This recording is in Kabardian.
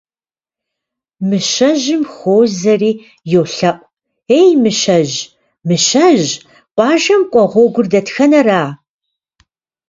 Мыщэжьым хуозэри йолъэӏу: Ей, Мыщэжь, Мыщэжь, къуажэм кӏуэ гъуэгур дэтхэнэра?